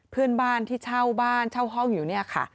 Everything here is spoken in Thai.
เพื่อนบ้านที่เช่าบ้านเช่าห้องอยู่เนี่ยค่ะ